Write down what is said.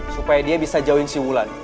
supaya dia bisa jauhin si bulan